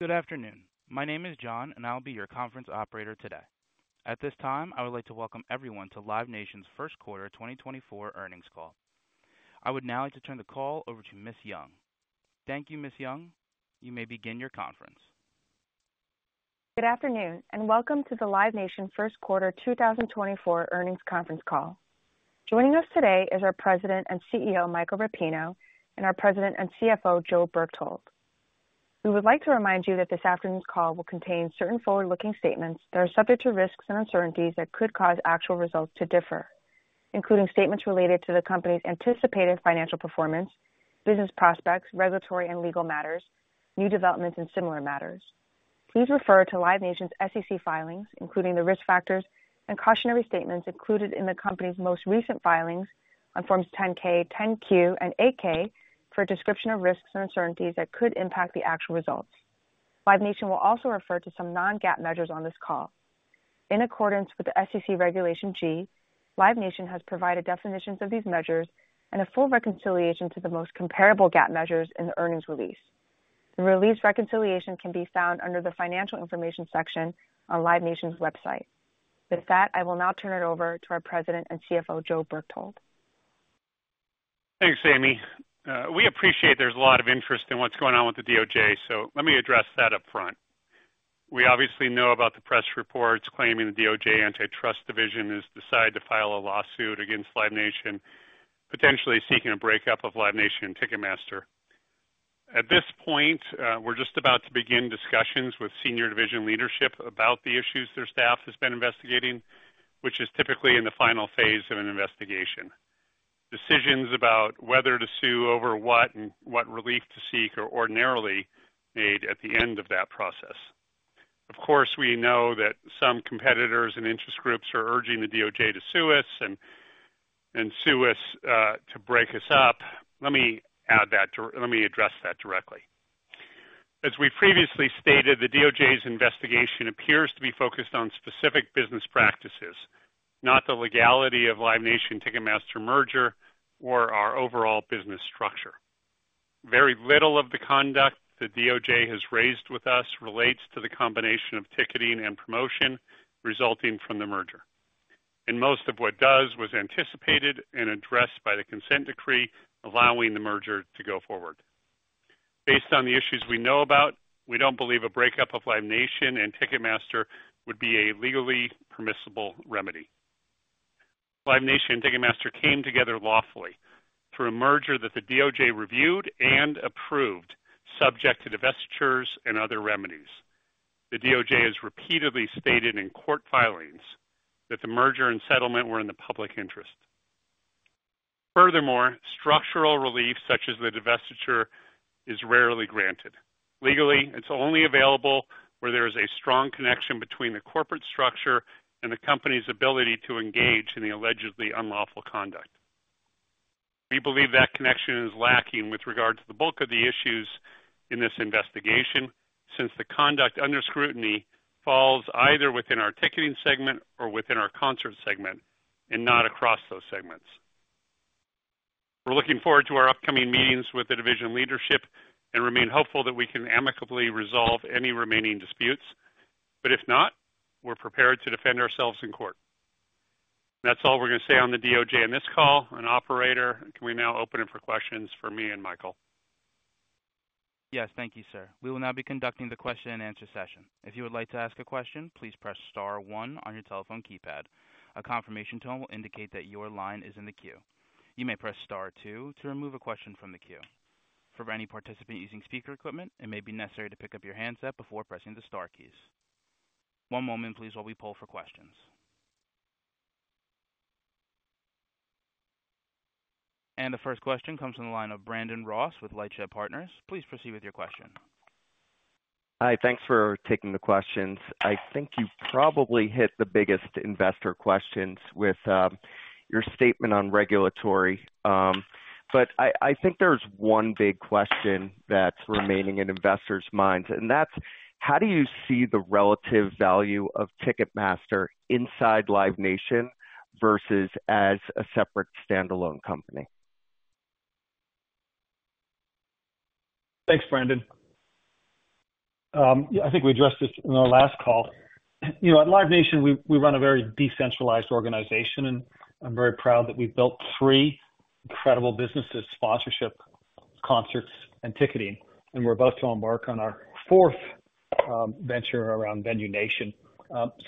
Good afternoon. My name is John, and I'll be your conference operator today. At this time, I would like to welcome everyone to Live Nation's First Quarter 2024 Earnings Call. I would now like to turn the call over to Ms. Yong. Thank you, Ms. Yong. You may begin your conference. Good afternoon, and welcome to the Live Nation First Quarter 2024 Earnings Conference Call. Joining us today is our President and CEO, Michael Rapino, and our President and CFO, Joe Berchtold. We would like to remind you that this afternoon's call will contain certain forward-looking statements that are subject to risks and uncertainties that could cause actual results to differ, including statements related to the company's anticipated financial performance, business prospects, regulatory and legal matters, new developments and similar matters. Please refer to Live Nation's SEC filings, including the risk factors and cautionary statements included in the company's most recent filings on Forms 10-K, 10-Q and 8-K for a description of risks and uncertainties that could impact the actual results. Live Nation will also refer to some non-GAAP measures on this call. In accordance with the SEC Regulation G, Live Nation has provided definitions of these measures and a full reconciliation to the most comparable GAAP measures in the earnings release. The release reconciliation can be found under the Financial Information section on Live Nation's website. With that, I will now turn it over to our President and CFO, Joe Berchtold. Thanks, Amy. We appreciate there's a lot of interest in what's going on with the DOJ, so let me address that upfront. We obviously know about the press reports claiming the DOJ Antitrust Division has decided to file a lawsuit against Live Nation, potentially seeking a breakup of Live Nation and Ticketmaster. At this point, we're just about to begin discussions with senior division leadership about the issues their staff has been investigating, which is typically in the final phase of an investigation. Decisions about whether to sue over what and what relief to seek are ordinarily made at the end of that process. Of course, we know that some competitors and interest groups are urging the DOJ to sue us and sue us to break us up. Let me address that directly. As we previously stated, the DOJ's investigation appears to be focused on specific business practices, not the legality of Live Nation-Ticketmaster merger or our overall business structure. Very little of the conduct the DOJ has raised with us relates to the combination of ticketing and promotion resulting from the merger, and most of what does was anticipated and addressed by the consent decree, allowing the merger to go forward. Based on the issues we know about, we don't believe a breakup of Live Nation and Ticketmaster would be a legally permissible remedy. Live Nation and Ticketmaster came together lawfully through a merger that the DOJ reviewed and approved, subject to divestitures and other remedies. The DOJ has repeatedly stated in court filings that the merger and settlement were in the public interest. Furthermore, structural relief, such as the divestiture, is rarely granted. Legally, it's only available where there is a strong connection between the corporate structure and the company's ability to engage in the allegedly unlawful conduct. We believe that connection is lacking with regard to the bulk of the issues in this investigation, since the conduct under scrutiny falls either within our ticketing segment or within our concert segment, and not across those segments. We're looking forward to our upcoming meetings with the division leadership and remain hopeful that we can amicably resolve any remaining disputes, but if not, we're prepared to defend ourselves in court. That's all we're going to say on the DOJ on this call. Operator, can we now open it for questions for me and Michael? Yes. Thank you, sir. We will now be conducting the question-and-answer session. If you would like to ask a question, please press star one on your telephone keypad. A confirmation tone will indicate that your line is in the queue. You may press star two to remove a question from the queue. For any participant using speaker equipment, it may be necessary to pick up your handset before pressing the star keys. One moment, please, while we poll for questions. The first question comes from the line of Brandon Ross with LightShed Partners. Please proceed with your question. Hi, thanks for taking the questions. I think you probably hit the biggest investor questions with your statement on regulatory. But I think there's one big question that's remaining in investors' minds, and that's: How do you see the relative value of Ticketmaster inside Live Nation versus as a separate standalone company? Thanks, Brandon. I think we addressed this in our last call. At Live Nation, we run a very decentralized organization, and I'm very proud that we've built three incredible businesses, sponsorship, concerts and ticketing, and we're about to embark on our fourth venture around Venue Nation.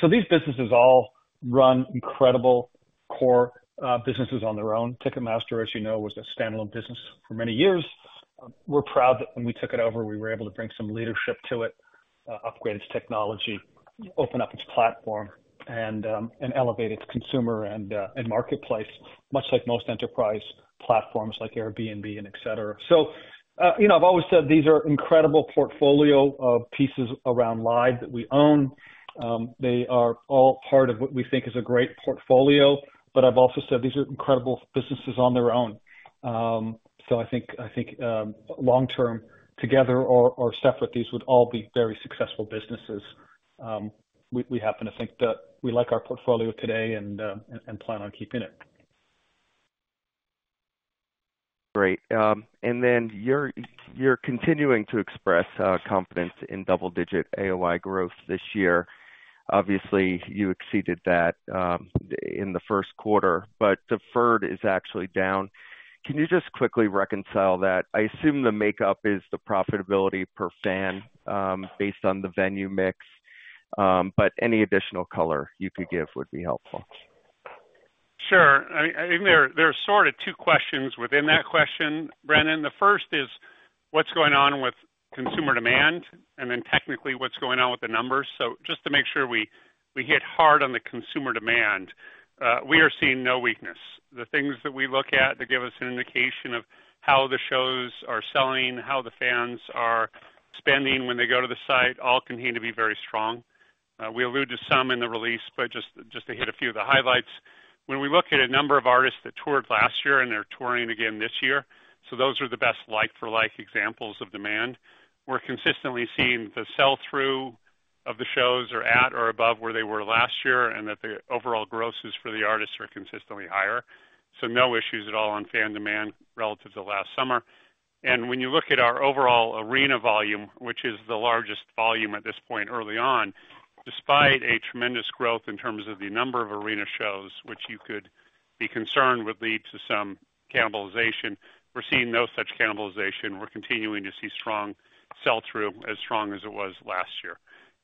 So these businesses all run incredible core businesses on their own. Ticketmaster, as you know, was a standalone business for many years. We're proud that when we took it over, we were able to bring some leadership to it, upgrade its technology, open up its platform and elevate its consumer and marketplace, much like most enterprise platforms like Airbnb and et cetera. I've always said these are incredible portfolio pieces around Live that we own. They are all part of what we think is a great portfolio. But I've also said these are incredible businesses on their own. So I think long term, together or separate, these would all be very successful businesses. We happen to think that we like our portfolio today and plan on keeping it. Great. And then you're, you're continuing to express confidence in double-digit AOI growth this year. Obviously, you exceeded that in the first quarter, but deferred is actually down. Can you just quickly reconcile that? I assume the makeup is the profitability per fan, based on the venue mix, but any additional color you could give would be helpful. Sure. I think there are sort of two questions within that question, Brandon. The first is, what's going on with consumer demand, and then technically, what's going on with the numbers? So just to make sure we hit hard on the consumer demand, we are seeing no weakness. The things that we look at that give us an indication of how the shows are selling, how the fans are spending when they go to the site, all continue to be very strong. We allude to some in the release, but just to hit a few of the highlights. When we look at a number of artists that toured last year, and they're touring again this year, so those are the best like for like examples of demand. We're consistently seeing the sell-through of the shows are at or above where they were last year, and that the overall grosses for the artists are consistently higher. So no issues at all on fan demand relative to last summer. And when you look at our overall arena volume, which is the largest volume at this point early on, despite a tremendous growth in terms of the number of arena shows, which you could be concerned would lead to some cannibalization, we're seeing no such cannibalization. We're continuing to see strong sell through as strong as it was last year.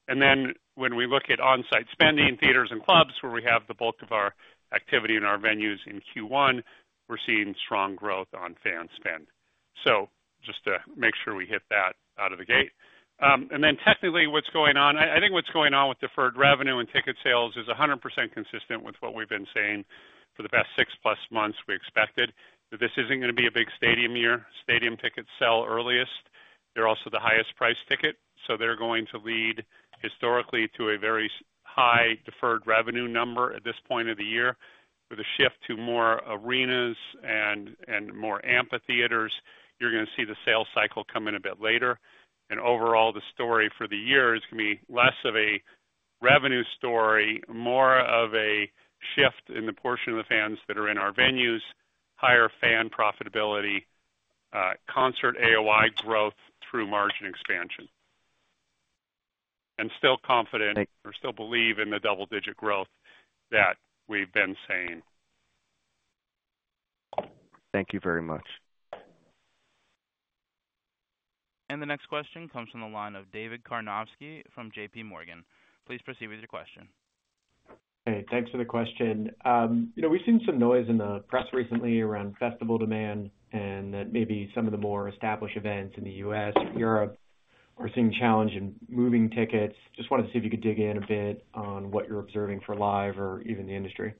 And then when we look at on-site spending, theaters and clubs, where we have the bulk of our activity in our venues in Q1, we're seeing strong growth on fan spend. So just to make sure we hit that out of the gate. And then technically, what's going on, I think what's going on with deferred revenue and ticket sales is 100% consistent with what we've been saying for the past 6+ months. We expected that this isn't gonna be a big stadium year. Stadium tickets sell earliest. They're also the highest priced ticket, so they're going to lead historically to a very high deferred revenue number at this point of the year. With a shift to more arenas and more amphitheaters, you're gonna see the sales cycle come in a bit later. And overall, the story for the year is gonna be less of a revenue story, more of a shift in the portion of the fans that are in our venues, higher fan profitability, concert AOI growth through margin expansion. I'm still confident- We still believe in the double-digit growth that we've been saying. Thank you very much. The next question comes from the line of David Karnovsky from JP Morgan. Please proceed with your question. Hey, thanks for the question. You know, we've seen some noise in the press recently around festival demand and that maybe some of the more established events in the U.S. and Europe are seeing challenge in moving tickets. Just wanted to see if you could dig in a bit on what you're observing for Live or even the industry.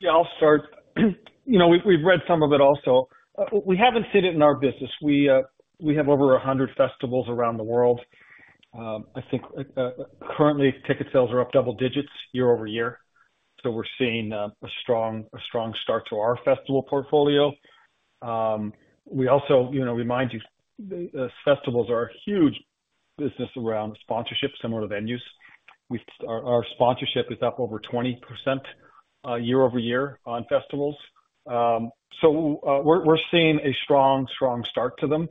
Yeah, I'll start. You know, we've read some of it also. We haven't seen it in our business. We have over 100 festivals around the world. I think, currently, ticket sales are up double digits year-over-year, so we're seeing a strong, a strong start to our festival portfolio. We also, you know, remind you, festivals are a huge business around sponsorship, similar to venues. Our sponsorship is up over 20% year-over-year on festivals. So, we're seeing a strong, strong start to them.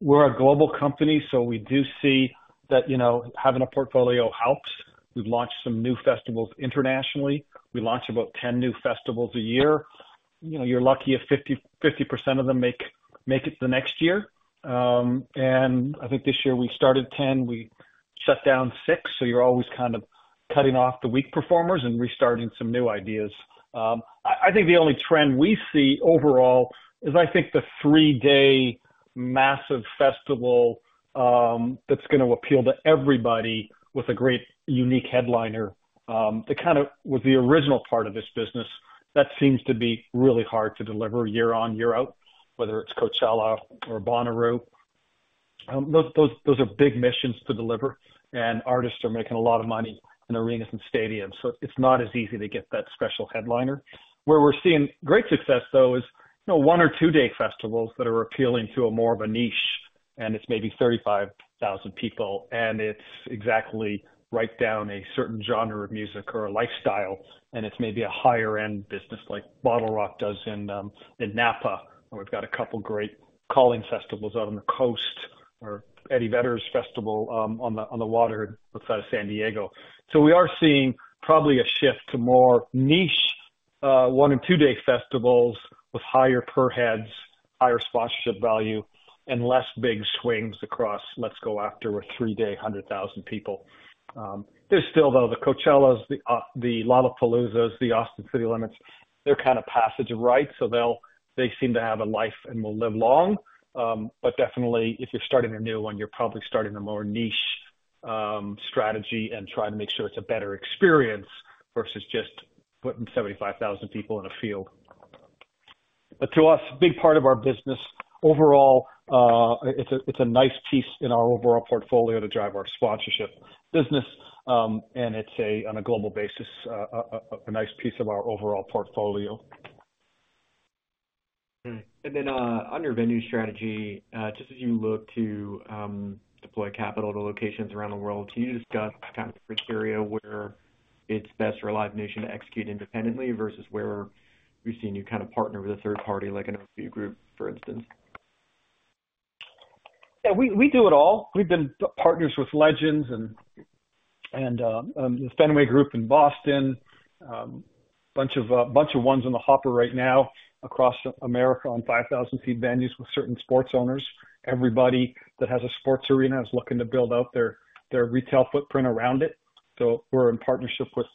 We're a global company, so we do see that, you know, having a portfolio helps. We've launched some new festivals internationally. We launch about 10 new festivals a year. You know, you're lucky if 50% of them make it to the next year. And I think this year we started 10, we shut down 6, so you're always kind of cutting off the weak performers and restarting some new ideas. I think the only trend we see overall is, I think, the three-day massive festival that's gonna appeal to everybody with a great unique headliner. With the original part of this business, that seems to be really hard to deliver year on, year out, whether it's Coachella or Bonnaroo. Those are big missions to deliver, and artists are making a lot of money in arenas and stadiums, so it's not as easy to get that special headliner. Where we're seeing great success, though, is, you know, one- or two-day festivals that are appealing to a more of a niche, and it's maybe 35,000 people, and it's exactly right down a certain genre of music or a lifestyle, and it's maybe a higher end business like BottleRock does in, in Napa, or we've got a couple great Calling festivals out on the Coast or Eddie Vedder's festival, on the, on the water outside of San Diego. So we are seeing probably a shift to more niche, one- and two-day festivals with higher per heads, higher sponsorship value, and less big swings across, "Let's go after a three-day, 100,000 people." There's still, though, the Coachellas, the Lollapaloozas, the Austin City Limits, they're kind of passage, right? So they seem to have a life and will live long. But definitely if you're starting a new one, you're probably starting a more niche strategy and trying to make sure it's a better experience versus just putting 75,000 people in a field. But to us, big part of our business. Overall, it's a nice piece in our overall portfolio to drive our sponsorship business, and it's a nice piece on a global basis of our overall portfolio. And then, on your venue strategy, just as you look to deploy capital to locations around the world, can you discuss kind of the criteria where it's best for Live Nation to execute independently versus where we've seen you kind of partner with a third party, like an OVG, for instance? Yeah, we do it all. We've been partners with Legends and the Fenway Sports Group in Boston. A bunch of ones in the hopper right now across America on 5,000 feet venues with certain sports owners. Everybody that has a sports arena is looking to build out their retail footprint around it. So we're in partnership with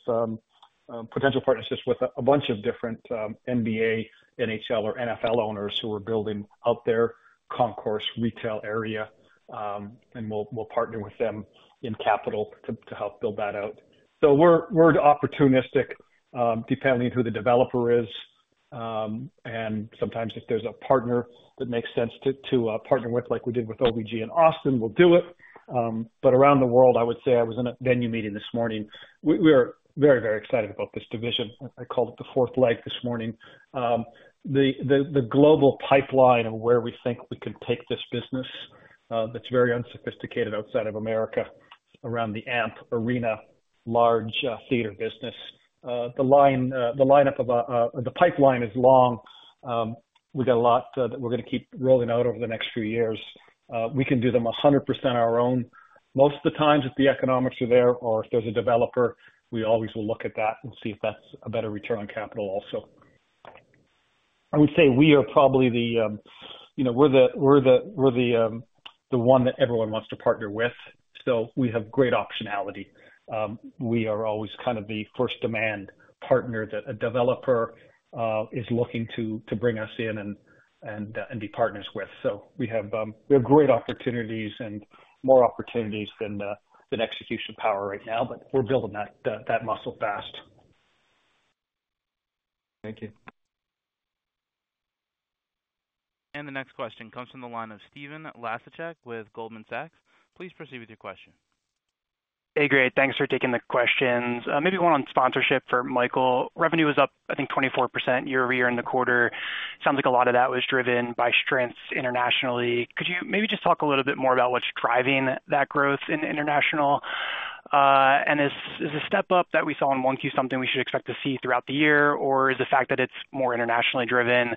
potential partnerships with a bunch of different NBA, NHL, or NFL owners who are building out their concourse retail area, and we'll partner with them in capital to help build that out. So we're opportunistic, depending on who the developer is, and sometimes if there's a partner that makes sense to partner with, like we did with OVG in Austin, we'll do it. But around the world, I would say I was in a venue meeting this morning. We are very, very excited about this division. I called it the fourth leg this morning. The global pipeline of where we think we could take this business, that's very unsophisticated outside of America, around the amphitheater, arena, large theater business. The pipeline is long. We've got a lot that we're gonna keep rolling out over the next few years. We can do them 100% on our own. Most of the times, if the economics are there or if there's a developer, we always will look at that and see if that's a better return on capital also. I would say we are probably, you know, we're the one that everyone wants to partner with, so we have great optionality. We are always kind of the first demand partner that a developer is looking to bring us in and be partners with. So we have great opportunities and more opportunities than execution power right now, but we're building that muscle fast. Thank you. The next question comes from the line of Stephen Laszczyk with Goldman Sachs. Please proceed with your question. Hey, great. Thanks for taking the questions. Maybe one on sponsorship for Michael. Revenue was up, I think, 24% year-over-year in the quarter. Sounds like a lot of that was driven by strengths internationally. Could you maybe just talk a little bit more about what's driving that growth in international? And is, is the step up that we saw in 1Q something we should expect to see throughout the year, or is the fact that it's more internationally driven,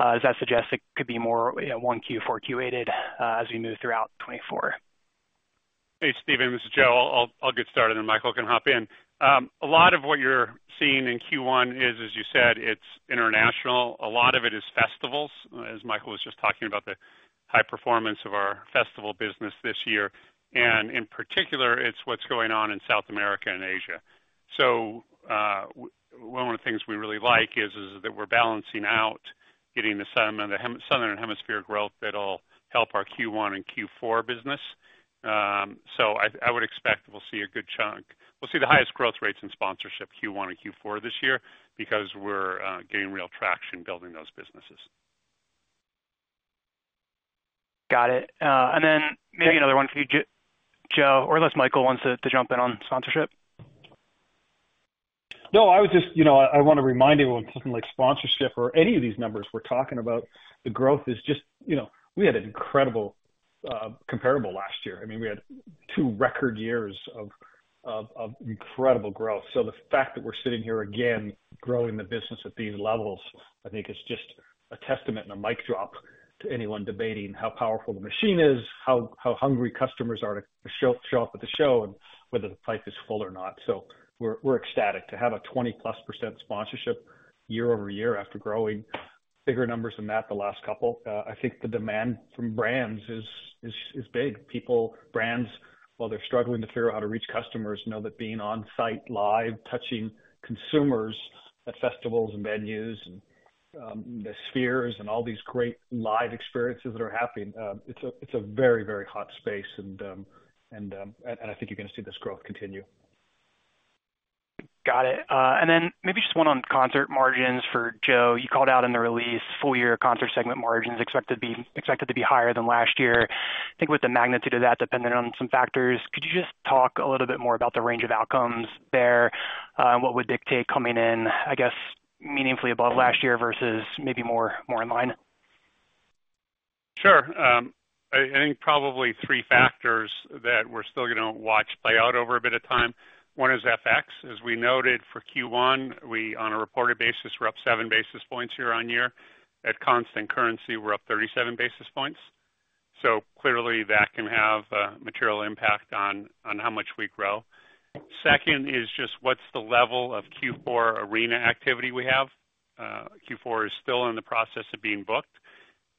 does that suggest it could be more, you know, 1Q 4Q-aided, as we move throughout 2024? Hey, Stephen, this is Joe. I'll get started, and Michael can hop in. A lot of what you're seeing in Q1 is, as you said, it's international. A lot of it is festivals, as Michael was just talking about, the high performance of our festival business this year, and in particular, it's what's going on in South America and Asia. So, one of the things we really like is, is that we're balancing out getting the southern, the southern hemisphere growth that'll help our Q1 and Q4 business. So I, I would expect we'll see a good chunk. We'll see the highest growth rates in sponsorship Q1 and Q4 this year because we're gaining real traction building those businesses. Got it. And then maybe another one for you, Joe, unless Michael wants to jump in on sponsorship. I want to remind everyone, something like sponsorship or any of these numbers we're talking about, the growth is just, you know, we had an incredible comparable last year. I mean, we had two record years of incredible growth. So the fact that we're sitting here again, growing the business at these levels, I think it's just a testament and a mic drop to anyone debating how powerful the machine is, how hungry customers are to show up at the show, and whether the pipe is full or not. So we're ecstatic to have a 20%+ sponsorship year-over-year after growing bigger numbers than that the last couple. I think the demand from brands is big. People, brands, while they're struggling to figure out how to reach customers, know that being on site, live, touching consumers at festivals and venues and the Spheres and all these great live experiences that are happening, it's a very, very hot space, and I think you're gonna see this growth continue. Got it. And then maybe just one on concert margins for Joe. You called out in the release, full year concert segment margins expected to be higher than last year. I think with the magnitude of that, depending on some factors, could you just talk a little bit more about the range of outcomes there? And what would dictate coming in, I guess, meaningfully above last year versus maybe more in line? Sure. I think probably 3 factors that we're still gonna watch play out over a bit of time. 1 is FX. As we noted for Q1, on a reported basis, we're up 7 basis points year-on-year. At constant currency, we're up 37 basis points. So clearly, that can have a material impact on how much we grow. Second is just what's the level of Q4 arena activity we have? Q4 is still in the process of being booked,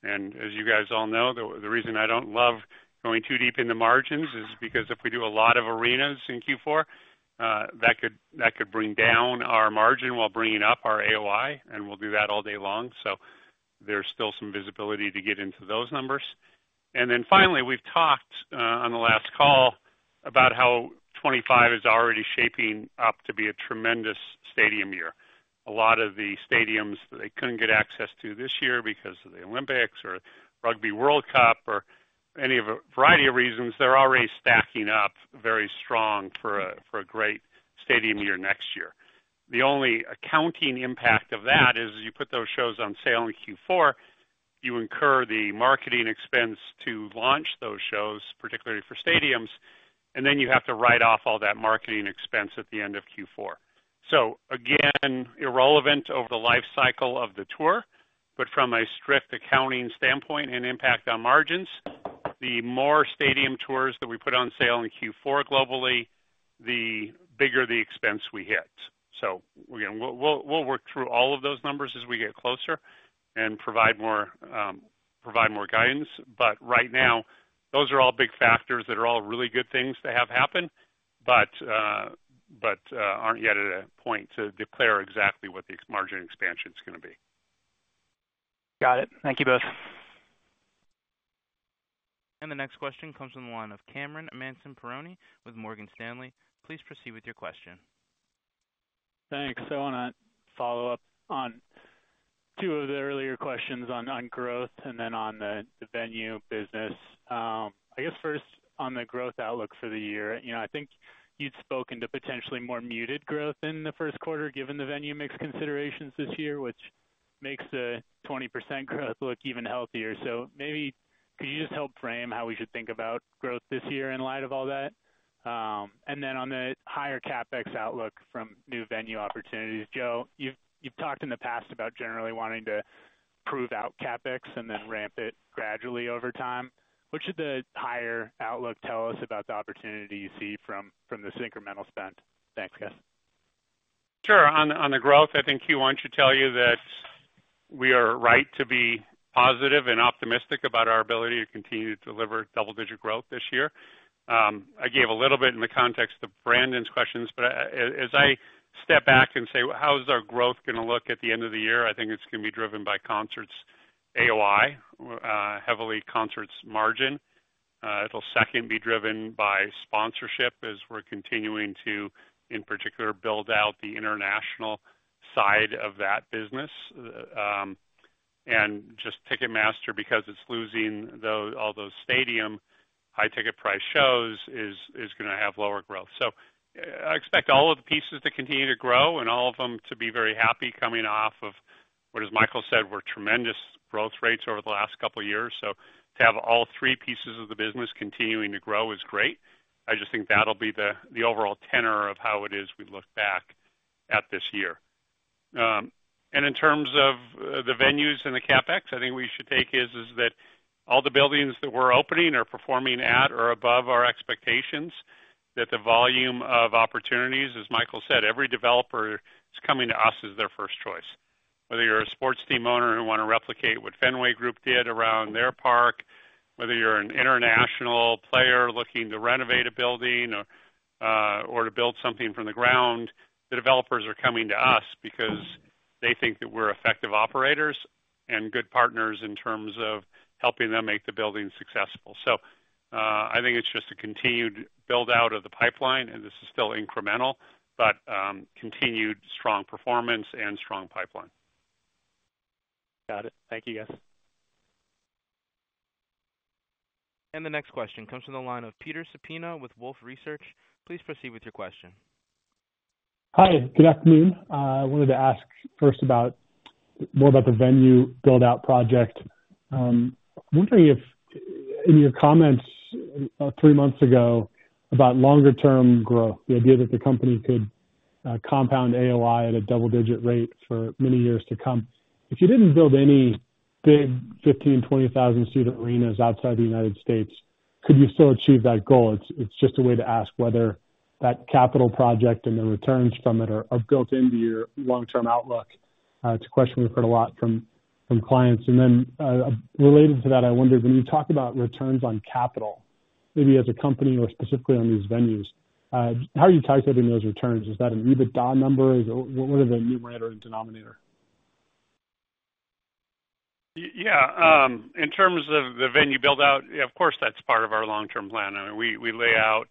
and as you guys all know, the reason I don't love going too deep in the margins is because if we do a lot of arenas in Q4, that could bring down our margin while bringing up our AOI, and we'll do that all day long. So there's still some visibility to get into those numbers. Then finally, we've talked on the last call about how 25 is already shaping up to be a tremendous stadium year. A lot of the stadiums that they couldn't get access to this year because of the Olympics or Rugby World Cup or any of a variety of reasons, they're already stacking up very strong for a great stadium year next year. The only accounting impact of that is, you put those shows on sale in Q4, you incur the marketing expense to launch those shows, particularly for stadiums, and then you have to write off all that marketing expense at the end of Q4. So again, irrelevant over the life cycle of the tour, but from a strict accounting standpoint and impact on margins, the more stadium tours that we put on sale in Q4 globally, the bigger the expense we hit. So again, we'll work through all of those numbers as we get closer and provide more guidance. But right now, those are all big factors that are all really good things to have happen, but aren't yet at a point to declare exactly what the margin expansion is gonna be. Got it. Thank you both. The next question comes from the line of Cameron Mansson-Perrone with Morgan Stanley. Please proceed with your question. Thanks. I wanna follow up on two of the earlier questions on growth and then on the venue business. I guess first on the growth outlook for the year, you know, I think you'd spoken to potentially more muted growth in the first quarter, given the venue mix considerations this year, which makes the 20% growth look even healthier. So maybe could you just help frame how we should think about growth this year in light of all that? And then on the higher CapEx outlook from new venue opportunities, Joe, you've talked in the past about generally wanting to prove out CapEx and then ramp it gradually over time. What should the higher outlook tell us about the opportunity you see from this incremental spend? Thanks, guys. Sure. On the growth, I think Q1 should tell you that we are right to be positive and optimistic about our ability to continue to deliver double-digit growth this year. I gave a little bit in the context of Brandon's questions, but as I step back and say, how is our growth gonna look at the end of the year? I think it's gonna be driven by concerts AOI, heavily concerts margin. It'll second be driven by sponsorship as we're continuing to, in particular, build out the international side of that business. And just Ticketmaster, because it's losing all those stadium high ticket price shows, is gonna have lower growth. So I expect all of the pieces to continue to grow and all of them to be very happy coming off of what, as Michael said, were tremendous growth rates over the last couple of years. So to have all three pieces of the business continuing to grow is great. I just think that'll be the overall tenor of how it is we look back at this year. And in terms of the venues and the CapEx, I think we should take is that all the buildings that we're opening are performing at or above our expectations, that the volume of opportunities, as Michael said, every developer is coming to us as their first choice. Whether you're a sports team owner who wanna replicate what Fenway Sports Group did around their park, whether you're an international player looking to renovate a building or, or to build something from the ground, the developers are coming to us because they think that we're effective operators and good partners in terms of helping them make the building successful. So, I think it's just a continued build-out of the pipeline, and this is still incremental, but, continued strong performance and strong pipeline. Got it. Thank you, guys. The next question comes from the line of Peter Supino with Wolfe Research. Please proceed with your question. Hi, good afternoon. I wanted to ask first about, more about the venue build-out project. I'm wondering if in your comments about three months ago, about longer-term growth, the idea that the company could compound AOI at a double-digit rate for many years to come. If you didn't build any big 15,000-20,000-seat arenas outside the United States, could you still achieve that goal? It's, it's just a way to ask whether that capital project and the returns from it are, are built into your long-term outlook. It's a question we've heard a lot from, from clients. And then, related to that, I wonder, when you talk about returns on capital, maybe as a company or specifically on these venues, how are you timing those returns? Is that an EBITDA number? Is it—what are the numerator and denominator? Yeah, in terms of the venue build-out, yeah, of course, that's part of our long-term plan. I mean, we lay out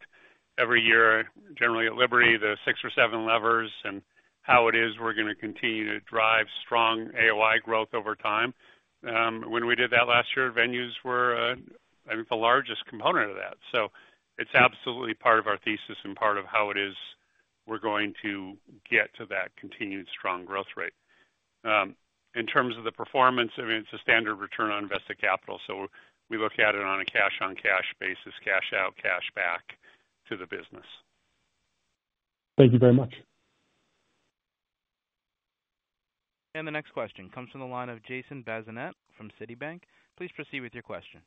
every year, generally at Liberty, the six or seven levers and how it is we're gonna continue to drive strong AOI growth over time. When we did that last year, venues were, I think, the largest component of that, so it's absolutely part of our thesis and part of how it is we're going to get to that continued strong growth rate. In terms of the performance, I mean, it's a standard return on invested capital, so we look at it on a cash-on-cash basis, cash out, cash back to the business. Thank you very much. The next question comes from the line of Jason Bazinet from Citibank. Please proceed with your question.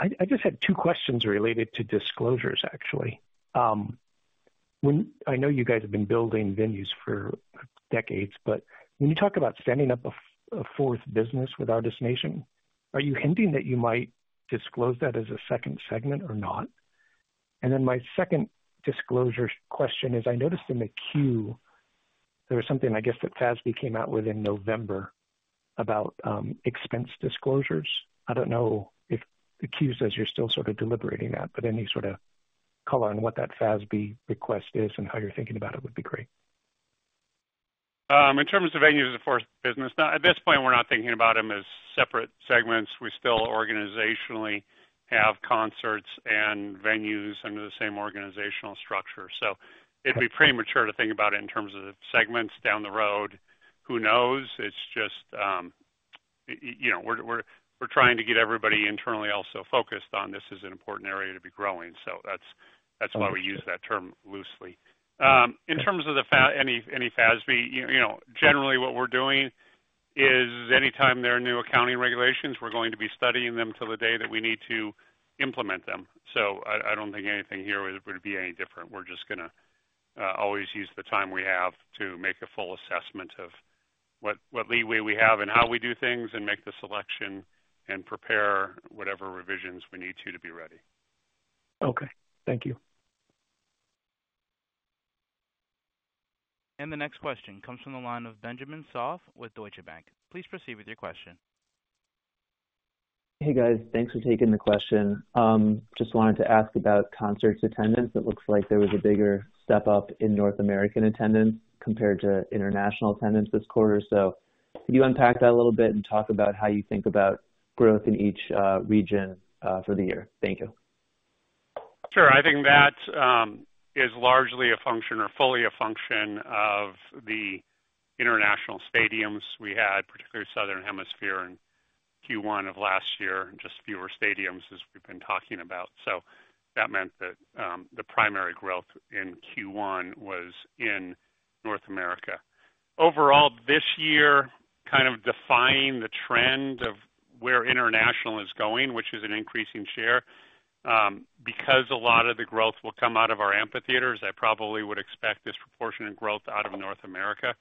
I just had two questions related to disclosures, actually. I know you guys have been building venues for decades, but when you talk about standing up a fourth business with Artist Nation, are you hinting that you might disclose that as a second segment or not? And then my second disclosure question is, I noticed in the 10-Q there was something, I guess, that FASB came out with in November about expense disclosures. I don't know if the 10-Q says you're still sort of deliberating that, but any sort of color on what that FASB request is and how you're thinking about it would be great. In terms of venues, of course, business, now at this point, we're not thinking about them as separate segments. We still organizationally have concerts and venues under the same organizational structure, so it'd be premature to think about it in terms of segments down the road. Who knows? It's just, you know, we're trying to get everybody internally also focused on this as an important area to be growing. So that's why we use that term loosely. In terms of the FASB generally what we're doing is anytime there are new accounting regulations, we're going to be studying them till the day that we need to implement them. So I don't think anything here would be any different. We're just gonna always use the time we have to make a full assessment of what leeway we have and how we do things and make the selection and prepare whatever revisions we need to be ready. Okay. Thank you. The next question comes from the line of Benjamin Soff with Deutsche Bank. Please proceed with your question. Hey, guys. Thanks for taking the question. Just wanted to ask about concerts attendance. It looks like there was a bigger step up in North American attendance compared to international attendance this quarter. So can you unpack that a little bit and talk about how you think about growth in each region for the year? Thank you. Sure. I think that, is largely a function or fully a function of the international stadiums we had, particularly Southern Hemisphere in Q1 of last year, and just fewer stadiums, as we've been talking about. So that meant that, the primary growth in Q1 was in North America. Overall, this year, kind of defining the trend of where international is going, which is an increasing share, because a lot of the growth will come out of our amphitheaters, I probably would expect disproportionate growth out of North America.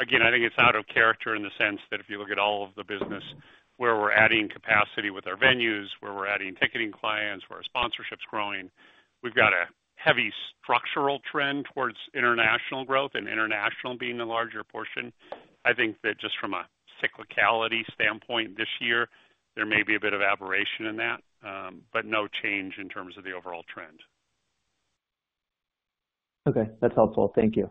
Again, I think it's out of character in the sense that if you look at all of the business where we're adding capacity with our venues, where we're adding ticketing clients, where our sponsorship's growing, we've got a heavy structural trend towards international growth and international being the larger portion. I think that just from a cyclicality standpoint, this year, there may be a bit of aberration in that, but no change in terms of the overall trend. Okay, that's helpful. Thank you.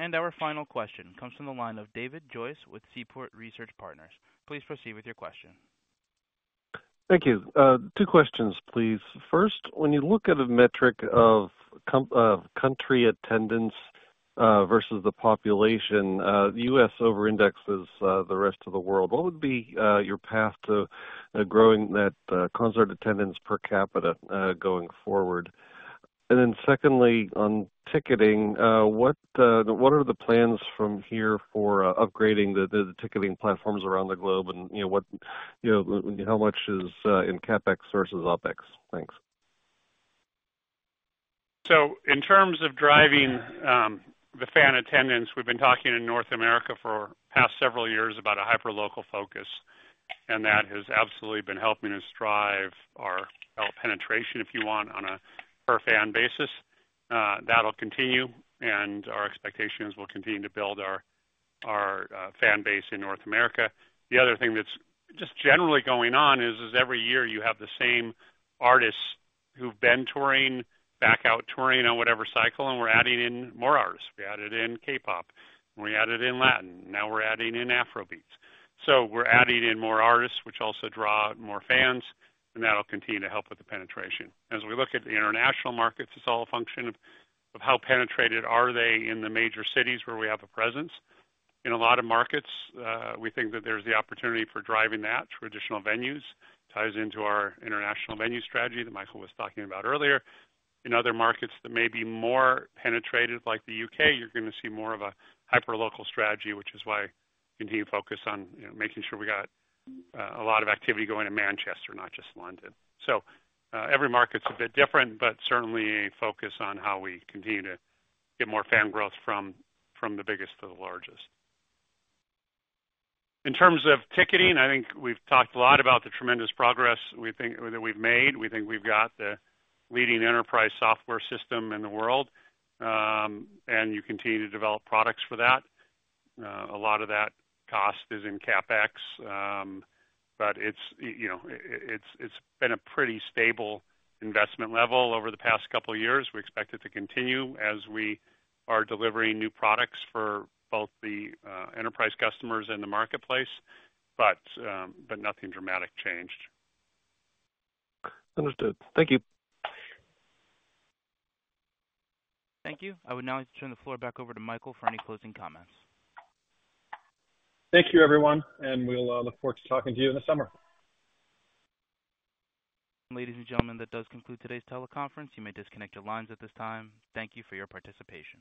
Our final question comes from the line of David Joyce with Seaport Research Partners. Please proceed with your question. Thank you. Two questions, please. First, when you look at a metric of country attendance versus the population, the U.S. over indexes the rest of the world. What would be your path to growing that concert attendance per capita going forward? And then secondly, on ticketing, what are the plans from here for upgrading the ticketing platforms around the globe? And, you know, what, you know, how much is in CapEx versus OpEx? Thanks. So in terms of driving the fan attendance, we've been talking in North America for the past several years about a hyperlocal focus, and that has absolutely been helping us drive our penetration, if you want, on a per-fan basis. That'll continue, and our expectations will continue to build our fan base in North America. The other thing that's just generally going on is every year you have the same artists who've been touring, back out touring on whatever cycle, and we're adding in more artists. We added in K-pop, we added in Latin, now we're adding in Afrobeats. So we're adding in more artists, which also draw more fans, and that'll continue to help with the penetration. As we look at the international markets, it's all a function of how penetrated are they in the major cities where we have a presence. In a lot of markets, we think that there's the opportunity for driving that through additional venues, ties into our international venue strategy that Michael was talking about earlier. In other markets that may be more penetrated, like the U.K., you're gonna see more of a hyperlocal strategy, which is why continue to focus on, you know, making sure we got a lot of activity going in Manchester, not just London. So, every market's a bit different, but certainly a focus on how we continue to get more fan growth from the biggest to the largest. In terms of ticketing, I think we've talked a lot about the tremendous progress we think that we've made. We think we've got the leading enterprise software system in the world, and you continue to develop products for that. A lot of that cost is in CapEx, but it's, you know, it's been a pretty stable investment level over the past couple of years. We expect it to continue as we are delivering new products for both the enterprise customers and the marketplace, but nothing dramatically changed. Understood. Thank you. Thank you. I would now like to turn the floor back over to Michael for any closing comments. Thank you, everyone, and we'll look forward to talking to you in the summer. Ladies and gentlemen, that does conclude today's teleconference. You may disconnect your lines at this time. Thank you for your participation.